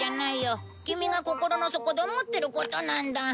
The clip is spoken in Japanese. キミが心の底で思ってることなんだ。